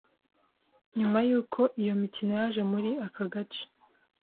nyuma y’uko iyi mikino yaje muri aka gace